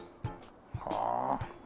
はあ。